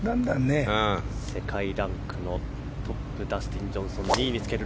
世界ランクのトップダスティン・ジョンソン２位につける。